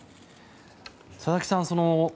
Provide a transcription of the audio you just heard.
佐々木さん